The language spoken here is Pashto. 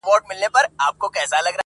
چي پیدا به یو زمری پر پښتونخوا سي!.